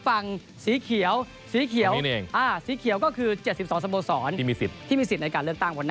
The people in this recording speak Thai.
ข้างสีเขียวก็คือ๗๒สโมสรที่มีสิทธิ์ในการเลือกตั้ง